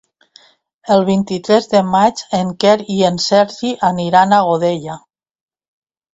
El vint-i-tres de maig en Quer i en Sergi aniran a Godella.